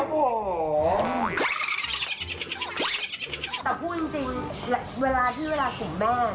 เพื่อนแกล่าครับ